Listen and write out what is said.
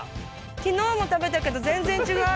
昨日も食べたけど全然違う。